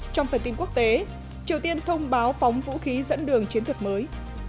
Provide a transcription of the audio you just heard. trong phần tin quốc tế triều tiên thông báo phóng vũ khí dẫn đường chiến thuật mới